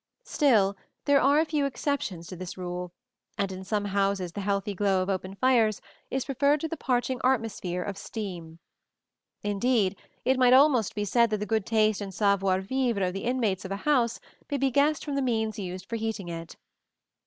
Still there are a few exceptions to this rule, and in some houses the healthy glow of open fires is preferred to the parching atmosphere of steam. Indeed, it might almost be said that the good taste and savoir vivre of the inmates of a house may be guessed from the means used for heating it.